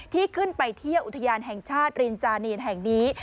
ที่ขึ้นไปเที่ยวอุทยานแห่งชาติรินจานีนแห่งนี้